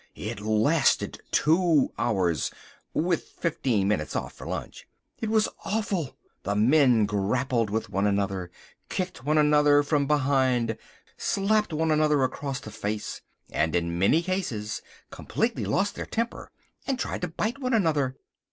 It lasted two hours—with fifteen minutes off for lunch. It was awful. The men grappled with one another, kicked one another from behind, slapped one another across the face, and in many cases completely lost their temper and tried to bite one another.